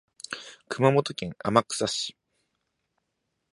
熊本県天草市